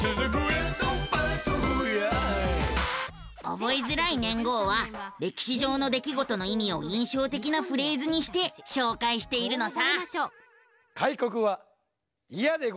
覚えづらい年号は歴史上の出来事の意味を印象的なフレーズにして紹介しているのさ。